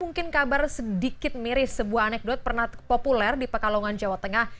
mungkin kabar sedikit miris sebuah anekdot pernah populer di pekalongan jawa tengah